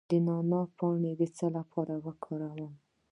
د نعناع پاڼې د څه لپاره وکاروم؟